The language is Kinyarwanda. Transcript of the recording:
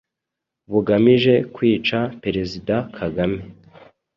bugamije kwica Perezida Kagame.